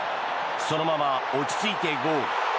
そのまま落ち着いてゴール。